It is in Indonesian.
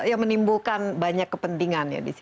apa yang terjadi di